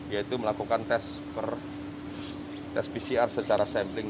yaitu melakukan tes pcr secara sampling